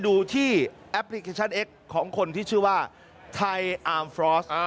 ดูที่แอปพลิเคชันเอ็กซ์ของคนที่ชื่อว่าไทยอาร์มฟรอส